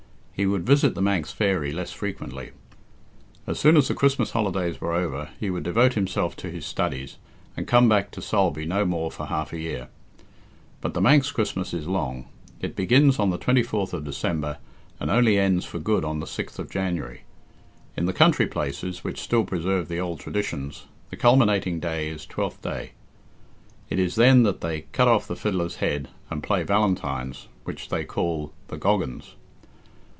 He would visit "The Manx Fairy" less frequently. As soon as the Christmas holidays were over he would devote himself to his studies, and come back to Sulby no more for half a year. But the Manx Christmas is long. It begins on the 24th of December, and only ends for good on the 6th of January. In the country places, which still preserve the old traditions, the culminating day is Twelfth Day. It is then that they "cut off the fiddler's head," and play valentines, which they call the "Goggans."